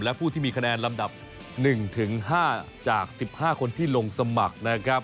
และผู้ที่มีคะแนนลำดับ๑๕จาก๑๕คนที่ลงสมัครนะครับ